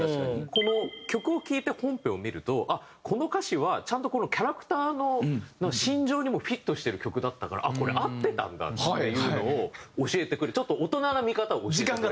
この曲を聴いて本編を見るとこの歌詞はちゃんとこのキャラクターの心情にもフィットしてる曲だったから「これ合ってたんだ」っていうのを教えてくれたちょっと大人な見方を教えてくれた。